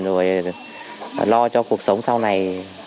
rồi lo cho cuộc sống sau này